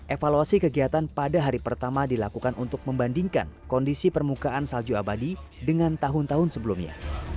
evaluasi kegiatan pada hari pertama dilakukan untuk membandingkan kondisi permukaan salju abadi dengan tahun tahun sebelumnya